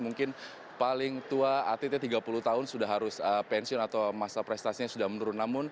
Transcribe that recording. mungkin paling tua atletnya tiga puluh tahun sudah harus pensiun atau masa prestasinya sudah menurun